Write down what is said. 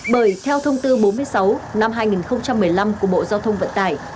bởi theo thông tư bốn mươi sáu năm hai nghìn một mươi năm của bộ giao thông vận tải